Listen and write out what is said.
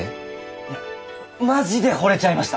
いやマジで惚れちゃいました。